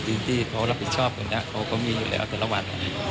ที่เขารับผิดชอบตรงนี้เขาก็มีอยู่แล้วแต่ละวัน